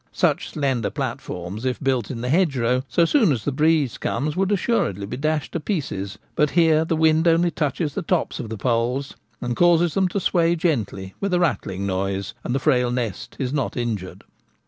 Such slender platforms, if built in the hedgerow, so soon as the breeze comes would assuredly be dashed to pieces ; but here the wind only touches the tops of the poles, and causes them to sway gently with a rattling noise, and the frail nest is not injured.